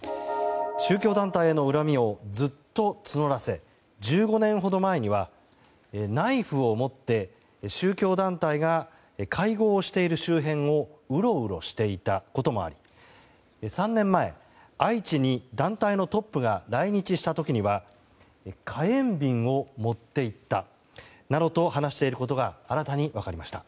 宗教団体への恨みをずっと募らせ１５年ほど前にはナイフを持って宗教団体が会合している周辺をうろうろしていたこともあり３年前、愛知に団体のトップが来日した時には火炎瓶を持っていったなどと話していることが新たに分かりました。